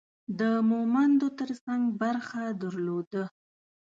د مومندو ترڅنګ برخه درلوده.